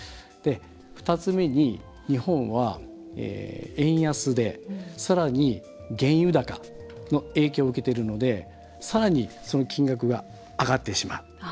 ２つ目に日本は円安でさらに原油高の影響を受けているのでさらにその金額が上がってしまう。